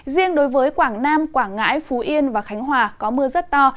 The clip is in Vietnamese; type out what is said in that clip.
riêng đối với quảng nam quảng ngãi phú yên và khánh hòa có mưa rất to